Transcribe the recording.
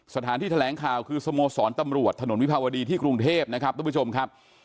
สถานที่แถลงข่าวคือสโมสรตำรวจถนนวิภาวดีที่กรุงเทพนะครับทุกผู้ชมครับ